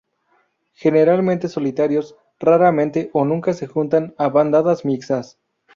Generalmente solitarios, raramente o nunca se juntan a bandadas mixtas.